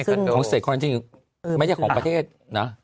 ซึ่งไม่ใช่ของประเทศนะ